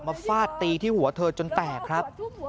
ฟาดตีที่หัวเธอจนแตกครับ